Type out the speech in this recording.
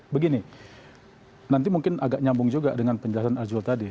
begini nanti mungkin agak nyambung juga dengan penjelasan azul tadi